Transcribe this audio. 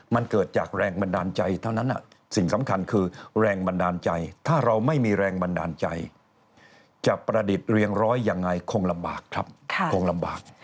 มันเกิดจากแรงบันดาลใจเท่านั้นสิ่งสำคัญคือแรงบันดาลใจถ้าเราไม่มีแรงบันดาลใจจะประดิษฐ์เรียงร้อยยังไงคงลำบากครับคงลำบาก